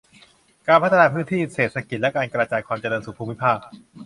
การพัฒนาพื้นที่เศรษฐกิจและการกระจายความเจริญสู่ภูมิภาค